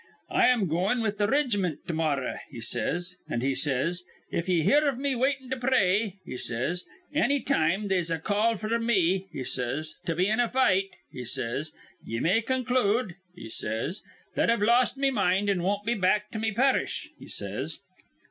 'I am goin' with th' rig'mint to morrah,' he says; an' he says, 'If ye hear iv me waitin' to pray,' he says, 'anny time they'se a call f'r me,' he says, 'to be in a fight,' he says, 'ye may conclude,' he says, 'that I've lost me mind, an' won't be back to me parish,' he says.